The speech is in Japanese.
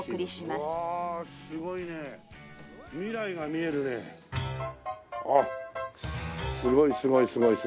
すごいすごいすごいすごい。